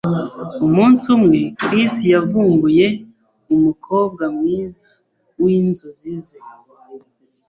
Umunsi umwe, Chris yavumbuye umukobwa mwiza winzozi ze.